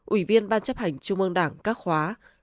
ủy viên ban chấp hành trung ương đảng các khóa